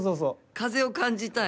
風を感じたい。